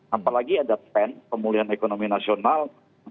apalagi ada pen pemulihan ekonomi nasional